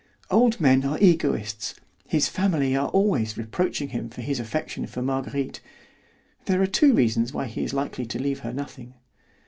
Old men are egoists; his family are always reproaching him for his affection for Marguerite; there are two reasons why he is likely to leave her nothing.